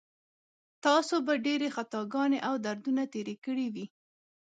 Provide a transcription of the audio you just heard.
تاسو به ډېرې خطاګانې او دردونه تېر کړي وي.